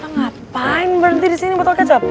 ngapain berhenti disini botol kecap